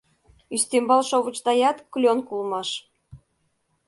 Ӱстембал шовычдаят клёнко улмаш.